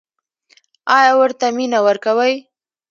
ایا ورته مینه ورکوئ؟